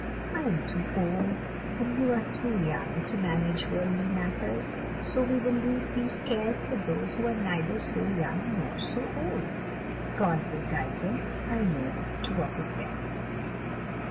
I am too old, and you are too young, to manage worldly matters; so we will leave these cares to those who are neither so young nor so old; God will guide them, I know, to what is best."